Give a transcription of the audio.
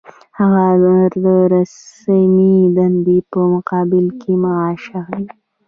هغه د رسمي دندې په مقابل کې معاش اخلي.